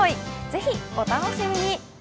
ぜひお楽しみに。